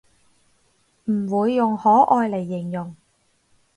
唔會用可愛嚟形容